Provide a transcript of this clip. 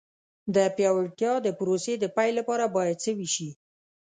د پیاوړتیا د پروسې د پیل لپاره باید څه وشي.